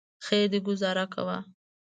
خیر دی ګوزاره کوه.